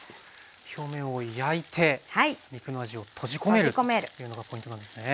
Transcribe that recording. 表面を焼いて肉の味を閉じ込めるというのがポイントなんですね。